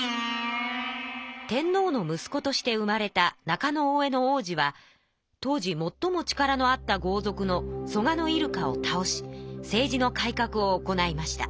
天皇の息子として生まれた中大兄皇子は当時もっとも力のあった豪族の蘇我入鹿を倒し政治の改革を行いました。